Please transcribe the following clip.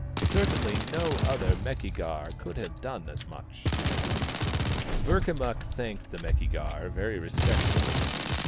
Certainly no other Meki gar could have done as much." Burkamukk thanked the Meki gar very respect fully.